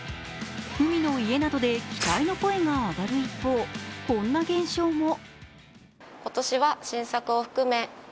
海の家などで期待の声が上がる一方、こんな現象も。